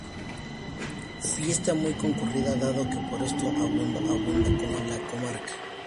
Fiesta muy concurrida dado que por estos días no abundan en la comarca.